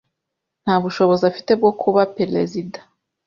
Nta bushobozi afite bwo kuba perezida.